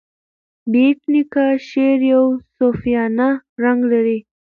بېټ نیکه شعر یو صوفیانه رنګ لري.